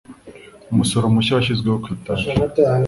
Umusoro mushya washyizweho ku itabi.